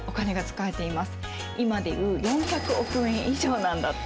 今で言う４００億円以上なんだって。